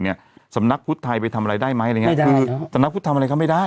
สำนักพุทธไทยไปทำอะไรได้ไหมอะไรอย่างเงี้ยคือสำนักพุทธทำอะไรก็ไม่ได้